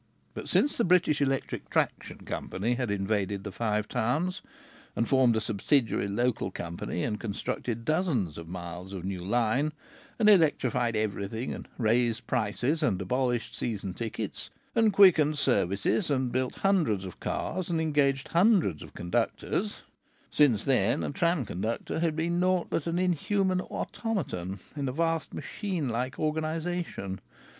But since the British Electric Traction Company had invaded the Five Towns, and formed a subsidiary local company, and constructed dozens of miles of new line, and electrified everything, and raised prices, and abolished season tickets, and quickened services, and built hundreds of cars and engaged hundreds of conductors since then a tram conductor had been naught but an unhuman automaton in a vast machine like organization.